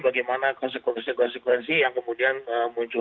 bagaimana konsekuensi konsekuensi yang kemudian muncul